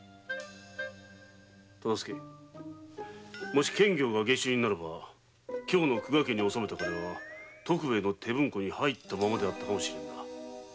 もし検校が下手人ならば京の久我家に納めた金は徳兵衛の手文庫に入ったままであったかもしれんな。